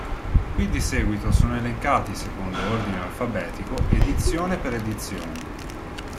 Qui di seguito sono elencati secondo ordine alfabetico edizione per edizione